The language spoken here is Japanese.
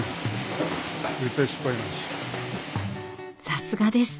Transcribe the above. さすがです！